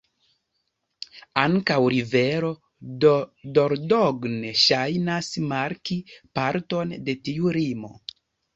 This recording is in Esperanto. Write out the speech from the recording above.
Ankaŭ rivero Dordogne ŝajnas marki parton de tiu limo.